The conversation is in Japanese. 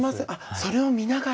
それを見ながら。